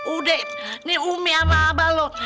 udah nih umi sama abah